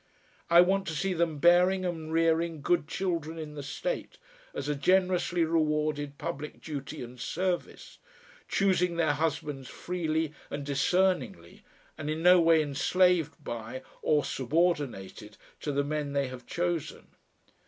I want to see them bearing and rearing good children in the State as a generously rewarded public duty and service, choosing their husbands freely and discerningly, and in no way enslaved by or subordinated to the men they have chosen.